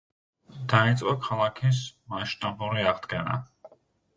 დაიწყო ქალაქის მასშტაბური აღდგენა.